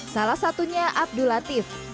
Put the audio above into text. salah satunya abdul latif